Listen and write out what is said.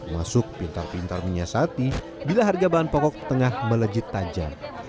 masuk pintar pintar menyiasati bila harga bahan pokok tengah melejit tajam